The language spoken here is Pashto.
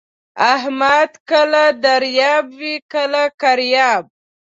احمد کله دریاب وي کله کریاب.